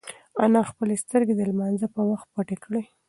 انا خپلې سترگې د لمانځه په وخت پټې کړې.